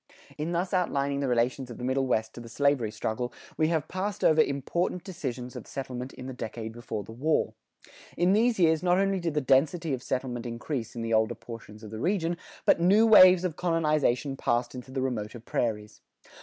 In thus outlining the relations of the Middle West to the slavery struggle, we have passed over important extensions of settlement in the decade before the war. In these years, not only did the density of settlement increase in the older portions of the region, but new waves of colonization passed into the remoter prairies.